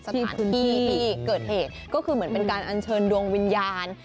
สถานที่ที่เกิดเหตุก็คือเหมือนเป็นการอัญเชิญดวงวิญญาณ